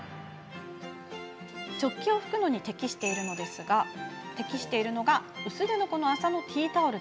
食器を拭くのに適しているのが薄手の麻のティータオル。